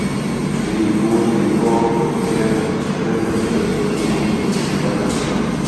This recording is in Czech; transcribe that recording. Její původní úkol byl sběr a sterilizace vzorků z různých planet.